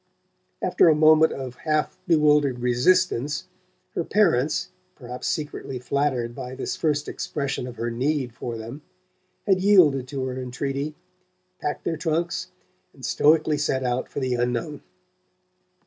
After a moment of half bewildered resistance her parents, perhaps secretly flattered by this first expression of her need for them, had yielded to her entreaty, packed their trunks, and stoically set out for the unknown.